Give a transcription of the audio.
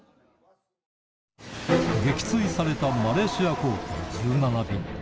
撃墜されたマレーシア航空１７便